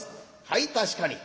「はい確かに」。